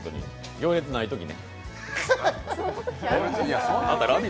行列ないときに。